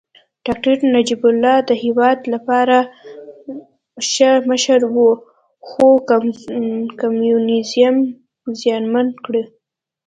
داکتر نجيب الله د هېواد لپاره ښه مشر و خو کمونيزم زیانمن کړ